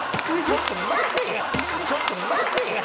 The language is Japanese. ・ちょっと待てぃ！！